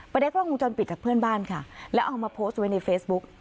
ได้กล้องวงจรปิดจากเพื่อนบ้านค่ะแล้วเอามาโพสต์ไว้ในเฟซบุ๊ก